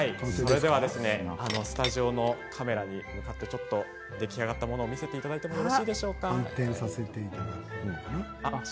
スタジオのカメラに向かってちょっと出来上がったものを見せていただいてもよろしいでしょうか。